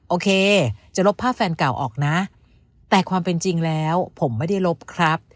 โอเคจะลบภาพแฟนเก่าออกนะแต่ความเป็นจริงแล้วผมไม่ได้ลบครับ